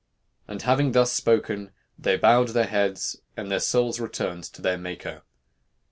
And having thus spoken, they bowed their heads, and their souls returned to their Maker.